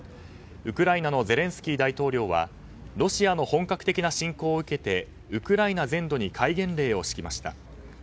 ウクライナのゼレンスキー大統領はロシアの本格的な侵攻を受けてウクライナ全土に戒厳令を敷きました。